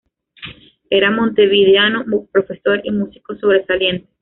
Era montevideano, profesor y músico sobresaliente.